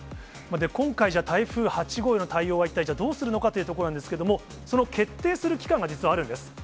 今回、じゃあ、台風８号への対応は一体、じゃあ、どうするのかというところなんですけれども、その決定する機関が実はあるんです。